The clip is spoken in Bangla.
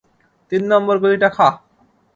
তিন নম্বর গুলিটা খা।